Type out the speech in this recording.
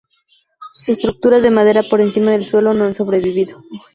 Sus estructuras de madera por encima del suelo no han sobrevivido.